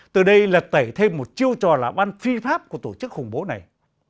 từ đây lật tẩy thêm một chiêu trò lão băn phi pháp của tổ chức khủng bố này